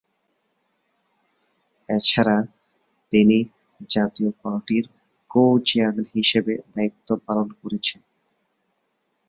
এছাড়া তিনি জাতীয় পার্টির কো-চেয়ারম্যান হিসেবে দায়িত্ব পালন করেছেন।